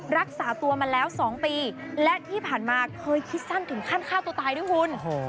รักษาตัวมาแล้ว๒ปีและที่ผ่านมาเคยคิดสั้นถึงขั้นฆ่าตัวตายด้วยคุณ